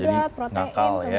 jadi ngakal ya